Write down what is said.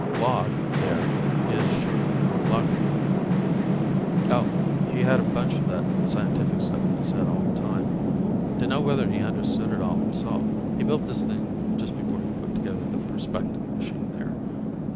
Log, there, is short for logarithm. Oh, he had a bunch of that scientific stuff in his head all the time; dunno whether he understood it all himself. He built this thing just before he put together the perspective machine there.